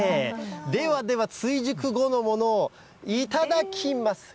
ではでは、追熟後のものを頂きます。